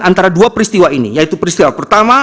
antara dua peristiwa ini yaitu peristiwa pertama